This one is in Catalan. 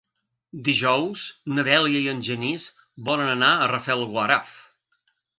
Dijous na Dèlia i en Genís volen anar a Rafelguaraf.